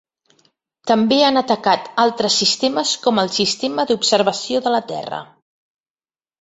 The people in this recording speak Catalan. També han atacat altres sistemes, com el Sistema d'Observació de la Terra.